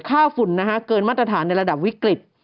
ค่าฝุ่นเกินมาตรฐานในระดับวิกฤติ